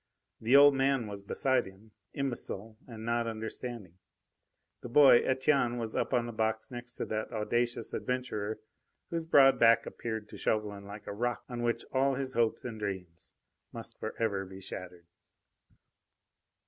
The old man was beside him imbecile and not understanding. The boy Etienne was up on the box next to that audacious adventurer, whose broad back appeared to Chauvelin like a rock on which all his hopes and dreams must for ever be shattered.